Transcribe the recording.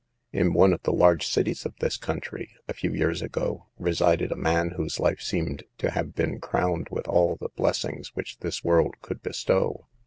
In one of the large cities of this country, a few years ago, resided a man whose life seemed to have been crowned with all the blessings which this world could bestow.